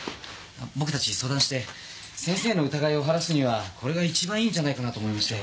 僕たち相談して先生の疑いを晴らすにはこれが一番いいんじゃないかな？と思いまして。